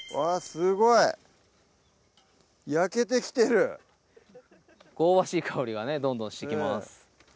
すごい焼けてきてる香ばしい香りがねどんどんしてきます